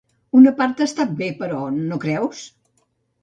Una part ha estat bé, però, no creus?